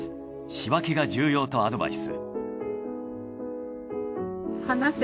仕分けが重要とアドバイス。